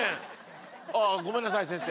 あぁごめんなさい先生。